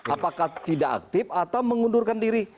apakah tidak aktif atau mengundurkan diri